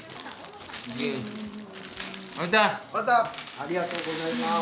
ありがとうございます。